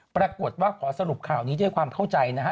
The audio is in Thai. ปรากฏว่าขอสรุปข่าวนี้ด้วยความเข้าใจนะฮะ